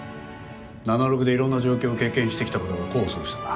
ナナロクでいろんな状況を経験してきた事が功を奏したな。